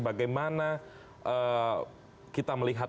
bagaimana kita melihat